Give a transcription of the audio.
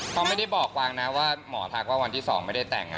เขาไม่ได้บอกกวางนะว่าหมอทักว่าวันที่๒ไม่ได้แต่ง